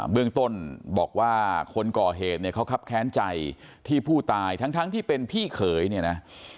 เบื้องต้นบอกว่าคนก่อเหตุเนี่ยเขาคับแค้นใจที่ผู้ตายทั้งที่เป็นพี่เขยเนี่ยนะ